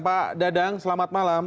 pak dadang selamat malam